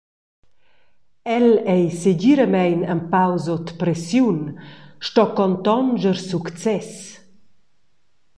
El ei segiramein empau sut pressiun, sto contonscher success.